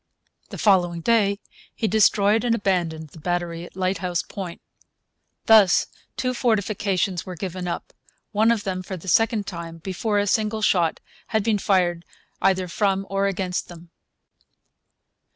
The following day he destroyed and abandoned the battery at Lighthouse Point. Thus two fortifications were given up, one of them for the second time, before a single shot had been fired either from or against them.